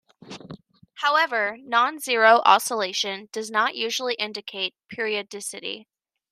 However, non-zero oscillation does not usually indicate periodicity.